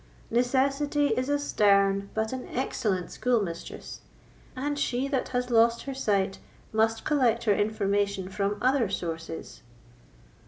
Necessity is a stern but an excellent schoolmistress, and she that has lost her sight must collect her information from other sources."